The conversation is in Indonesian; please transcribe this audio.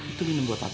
itu minum buat apa